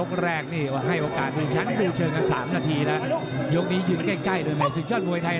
ไม่ใช่ว่าจะโกนถึงใกล้โกนไม่ถึงที่นี่ไม่มีเลยนะ